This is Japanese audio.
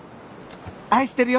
愛してるよ。